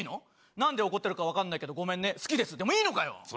なんで怒ってるか分かんないけどごめんね、好きですでもいいのかよ。